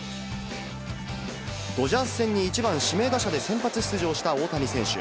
ドジャース戦に１番指名打者で先発出場した大谷選手。